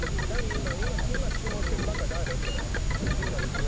今質問してるバカは誰？